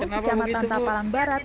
kecamatan tapalang barat